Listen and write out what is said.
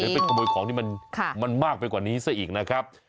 ไปขโมยของที่มันมากไปกว่านี้ซะอีกนะครับ